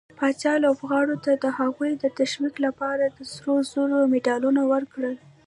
پاچا لوبغارو ته د هغوي د تشويق لپاره د سروزرو مډالونه ورکړل.